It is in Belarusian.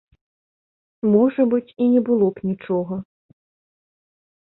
Можа быць, і не было б нічога.